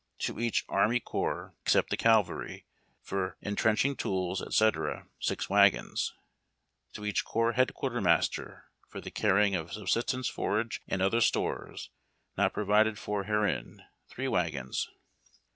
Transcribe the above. To each Army Corps, except the Cavalry, for entrenching tools, &c., 6 wagons. To each Corps Head Quarters for the carrying of subsistence, forage and other stores not provided for herein, 3 wagons.